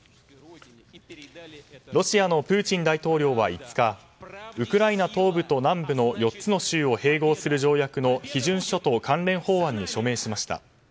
ロシアのプーチン大統領は５日ウクライナ東部と南部の４つの州を併合する条約の批准書と関連法案に署名しました。